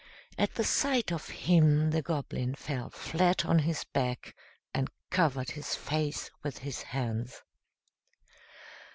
At the sight of him the Goblin fell flat on his back, and covered his face with his hands.